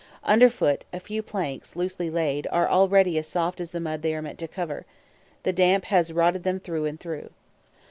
Underfoot, a few planks, loosely laid, are already as soft as the mud they are meant to cover; the damp has rotted them through and through.